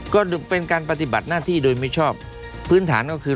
ก็เป็นการปฏิบัติหน้าที่โดยมิชอบพื้นฐานก็คือ